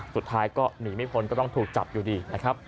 สุดท้ายก็หนีไม่พ้นก็ต้องถูกจับอยู่ดีนะครับ